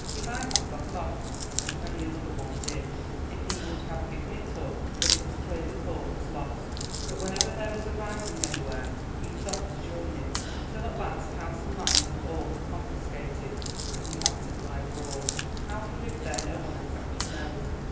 He might have got off, as many another one did, if he would have given it up when it was clear the cause was lost; but whenever there was a rising anywhere he was off to join it, till at last house and land and all were confiscated, and he had to fly abroad. "How he lived there no one exactly knows.